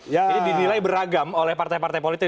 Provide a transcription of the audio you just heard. ini dinilai beragam oleh partai partai politik